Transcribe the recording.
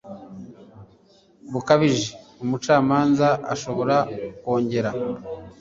bukabije umucamanza ashobora kongera